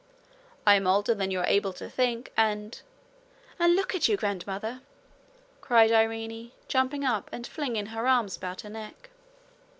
I am older than you are able to think, and ' 'And look at you, grandmother!' cried Irene, jumping up and flinging her arms about her neck.